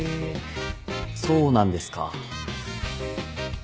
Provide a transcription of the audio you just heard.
そうなんですか。